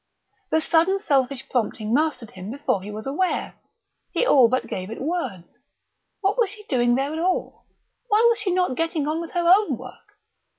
The sudden selfish prompting mastered him before he was aware. He all but gave it words. What was she doing there at all? Why was she not getting on with her own work?